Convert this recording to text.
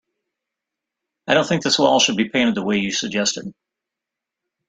I don't think this wall should be painted the way you suggested.